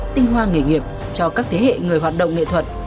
tinh hoa nghề nghiệp cho các thế hệ người hoạt động nghệ thuật